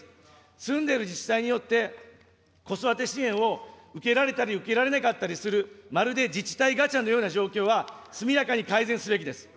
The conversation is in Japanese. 住んでいる自治体によって子育て支援を受けられたり受けられなかったりする、まるで自治体ガチャのような状況は、速やかに改善すべきです。